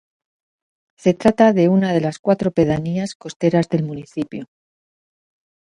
Se trata de una de las cuatro pedanías costeras del municipio.